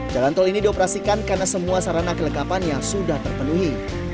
jalan tol ini dioperasikan karena semua sarana kelengkapannya sudah terpenuhi